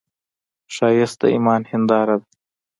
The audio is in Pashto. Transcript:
ښایست د ایمان هنداره ده